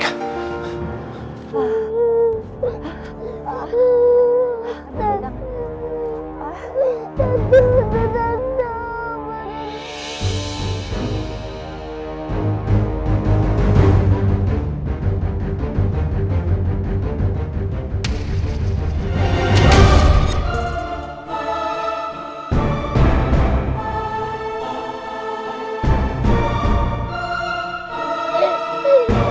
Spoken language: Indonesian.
fahri harus tau nih